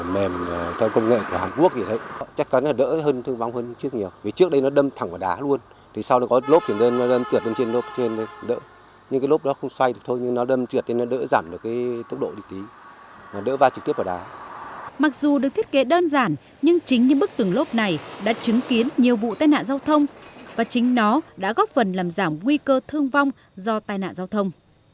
mặc dù được thiết kế đơn giản nhưng chính những bức tường lốp này đã chứng kiến nhiều vụ tai nạn giao thông và chính nó đã góp phần làm giảm nguy cơ thương vong do tai nạn giao thông